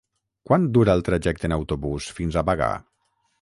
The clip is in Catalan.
Quant dura el trajecte en autobús fins a Bagà?